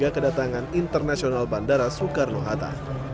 kedatangan internasional bandara soekarno hatta